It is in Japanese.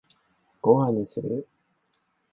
ご飯にする？